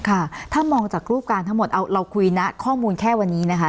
ค่ะถ้ามองจากรูปการณ์ทั้งหมดเราคุยนะข้อมูลแค่วันนี้นะคะ